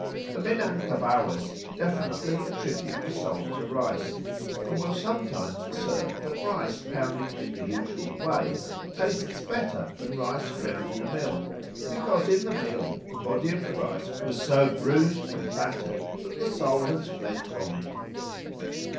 The Minangkabauers definitely attribute a soul to rice, and will sometimes assert that rice pounded in the usual way tastes better than rice ground in a mill, because in the mill the body of the rice was so bruised and battered that the soul has fled from it.